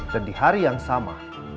dan di hari yang sama